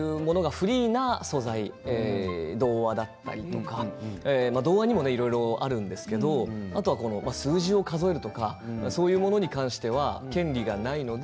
フリーな素材童話だったりとか童話にもいろいろあるんですけどあとは数字を数えるとかそういうものに関しては権利がないので。